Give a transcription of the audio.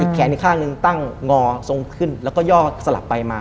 แขนอีกข้างหนึ่งตั้งงอทรงขึ้นแล้วก็ย่อสลับไปมา